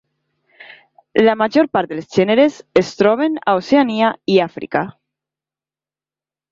La major part dels gèneres es troben a Oceania i Àfrica.